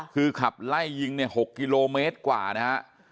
คือขับไล่ยิงเนี่ย๖กิโลเมตรกว่านะฮะ